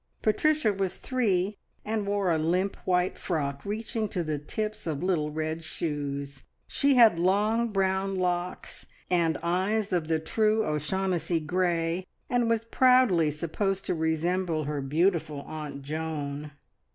Patricia was three, and wore a limp white frock reaching to the tips of little red shoes. She had long brown locks, and eyes of the true O'Shaughnessy grey, and was proudly supposed to resemble her beautiful aunt Joan.